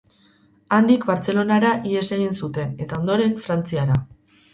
Handik Bartzelonara ihes egin zuten eta, ondoren, Frantziara.